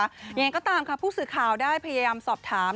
ยังไงก็ตามค่ะผู้สื่อข่าวได้พยายามสอบถาม